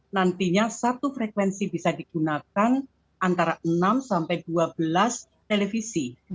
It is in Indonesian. nantinya satu frekuensi bisa digunakan antara enam sampai dua belas televisi